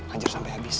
hajar sampai habis